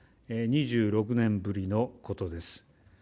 ２６年ぶりのことです。